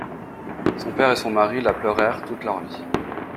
Son père et son mari la pleurèrent toute leur vie.